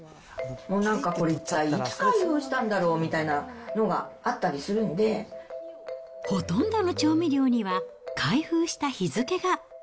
なんかこれ、いつ開封したんだろうみたいなのがあったりするんで、ほとんどの調味料には、開封した日付が。